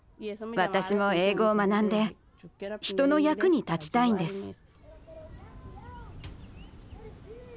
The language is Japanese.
私も英語を学んで人の役に立ちたいんです。